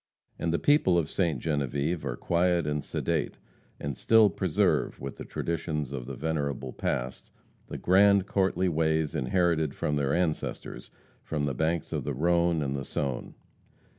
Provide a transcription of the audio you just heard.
And the people of Ste. Genevieve are quiet and sedate, and still preserve, with the traditions of the venerable past, the grand, courtly ways inherited from their ancestors from the banks of the Rhone and the Saone.